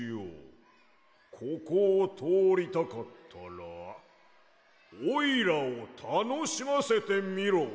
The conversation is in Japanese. ここをとおりたかったらおいらをたのしませてみろ！